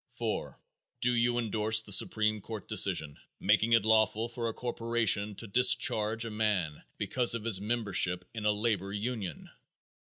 4. Do you endorse the supreme court decision making it lawful for a corporation to discharge a man because of his membership in a labor union?